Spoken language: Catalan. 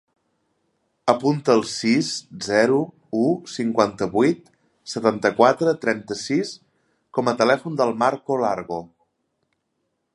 Apunta el sis, zero, u, cinquanta-vuit, setanta-quatre, trenta-sis com a telèfon del Marco Largo.